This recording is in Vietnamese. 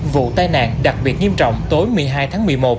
vụ tai nạn đặc biệt nghiêm trọng tối một mươi hai tháng một mươi một